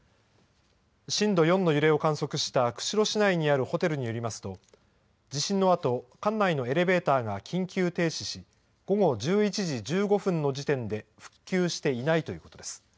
震度４の揺れを観測した釧路市内にあるホテルによりますと、地震のあと、館内のエレベーターが緊急停止し、午後１１時１５分の時点で復旧していないということです。